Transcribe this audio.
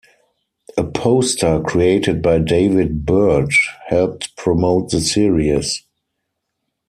A poster created by David Byrd helped promote the series.